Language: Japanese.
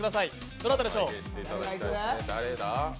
どなたでしょう？